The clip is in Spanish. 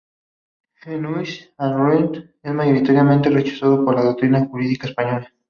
El "ius ad rem" es mayoritariamente rechazado por la doctrina jurídica española.